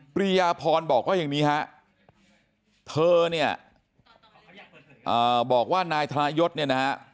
ปริยาพรบอกว่าอย่างนี้ฮะเธอเนี่ยบอกว่านายธนายศเนี่ยนะฮะ